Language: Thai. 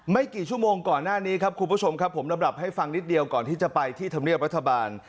กี่ชั่วโมงก่อนหน้านี้ครับคุณผู้ชมครับผมลำดับให้ฟังนิดเดียวก่อนที่จะไปที่ธรรมเนียบรัฐบาล